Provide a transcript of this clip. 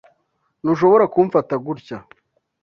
Ntushobora kumfata gutya.